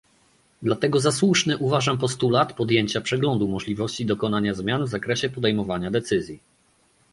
Dlatego za słuszny uważam postulat podjęcia przeglądu możliwości dokonania zmian w zakresie podejmowania decyzji